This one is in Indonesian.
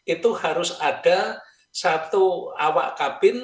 itu harus ada satu awak kabin